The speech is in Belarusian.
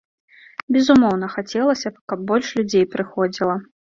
Безумоўна, хацелася б, каб больш людзей прыходзіла.